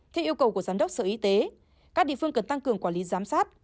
theo yêu cầu của giám đốc sở y tế các địa phương cần tăng cường quản lý giám sát